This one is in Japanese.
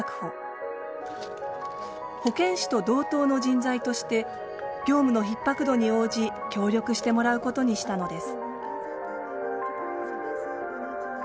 保健師と同等の人材として業務のひっ迫度に応じ協力してもらうことにしたのです。